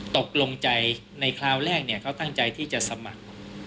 ตกลงใจในคราวแรกเขาตั้งใจที่จะสมัคร